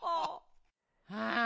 ああ。